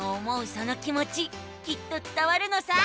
その気もちきっとつたわるのさ。